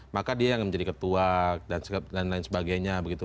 maka dia yang menjadi ketua dan lain sebagainya begitu